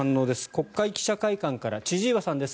国会記者会館から千々岩さんです